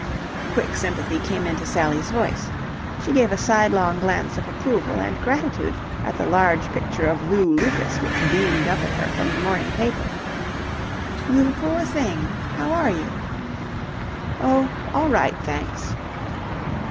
Quick sympathy came into Sally's voice. She gave a sidelong glance of approval and gratitude at the large picture of Lew Lucas which beamed up at her from the morning paper. "You poor thing! How are you?" "Oh, all right, thanks."